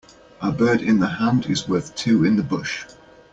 A bird in the hand is worth two in the bush.